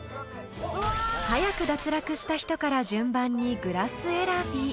［早く脱落した人から順番にグラス選び］